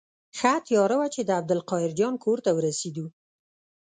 ښه تیاره وه چې د عبدالقاهر جان کور ته ورسېدو.